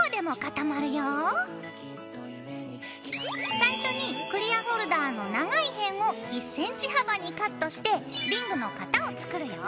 最初にクリアホルダーの長い辺を１ｃｍ幅にカットしてリングの型を作るよ。